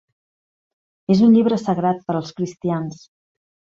És un llibre sagrat per als cristians.